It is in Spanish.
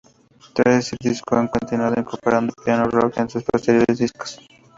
Tras ese disco, han continuado incorporando piano rock en sus posteriores discos.